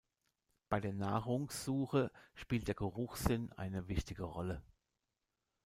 Bei der Nahrungssuche spielt der Geruchssinn eine wichtige Rolle.